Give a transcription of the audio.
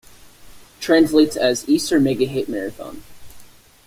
Translates as Easter Mega Hit Marathon.